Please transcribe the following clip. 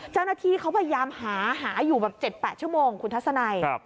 เจ้าหน้าที่เขาพยายามหาหาอยู่แบบ๗๘ชั่วโมงคุณทัศนัย